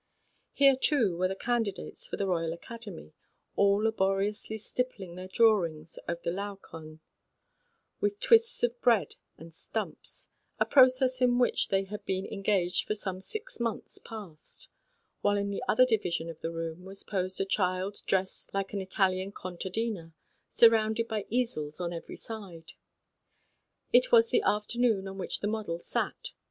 Here, too, were the candi dates for the Royal Academy, all laboriously stippling the Laocoon with twists of bread and stumps; a process in which they had been engaged for some six months past; while in the other division of the room was posed a child dressed like a Italian conta dina, surrounded by easels on every side. It was the afternoon on which the model sat.